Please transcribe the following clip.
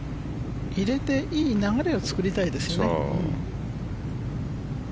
入れていい流れを作りたいですよね。